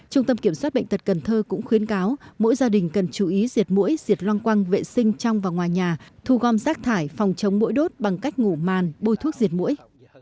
trung tâm kiểm soát bệnh tật cần thơ cũng khuyến cáo mỗi gia đình cần chú ý diệt mũi diệt loang quăng vệ sinh trong và ngoài nhà thu gom rác thải phòng chống mũi đốt bằng cách ngủ màn bôi thuốc diệt mũi